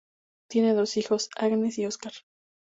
Tiene dos hijos: Agnes y Óscar.